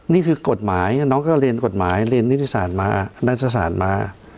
นี่คือกฎหมายน้องก็เรียนกฎหมายเรียนนิติศาสตร์มาณสถานมา